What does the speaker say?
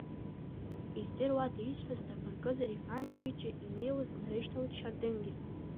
Издыруада исҳәаз ҵабыргызар иҳәан ҩыџьа инеиуаз днарышьҭалт Шьардынгьы…